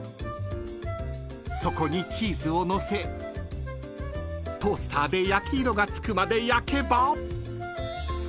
［そこにチーズをのせトースターで焼き色がつくまで焼けば］